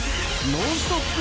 ノンストップ！